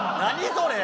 それ！